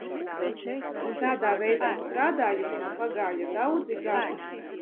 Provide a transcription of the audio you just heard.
Un tādā veidā strādājot man pagāja daudzi gadi.